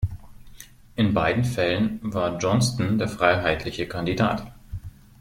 In beiden Fällen war Johnston der freiheitliche Kandidat.